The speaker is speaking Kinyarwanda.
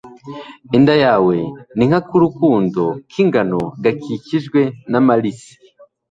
inda yawe ni nk'akarundo k'ingano gakikijwe n'amalisi